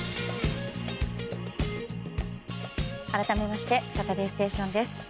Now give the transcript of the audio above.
改めまして「サタデーステーション」です。